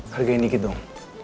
hargain dikit dong